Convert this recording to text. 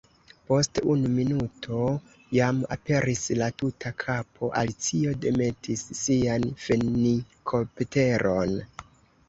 Post unu minuto jam aperis la tuta kapo. Alicio demetis sian fenikopteron.